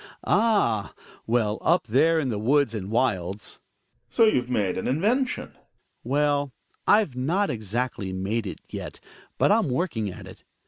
Ah! well, up there in the woods and wjlds C^TTiC) Gregers, So you've made an invention ! Hjalmar. Well, I've not exactly made it yet, but Fm working at it.